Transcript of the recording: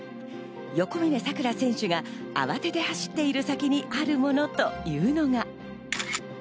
横峯さくら選手が慌てて走っている先にあるものというのが。